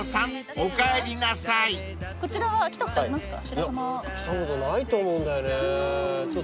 こちらは来たことありますか？